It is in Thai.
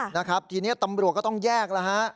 นะครับทีนี้ตำรวจก็ต้องแยกแล้วฮะ